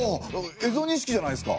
蝦夷錦じゃないですか！